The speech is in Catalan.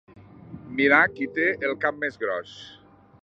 Mirar qui té el cap més gros.